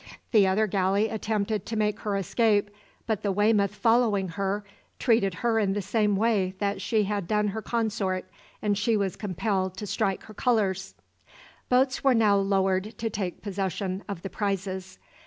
The other galley attempted to make her escape, but the "Weymouth," following her, treated her in the same way that she had done her consort, and she was compelled to strike her colours. Boats were now lowered to take possession of the prizes.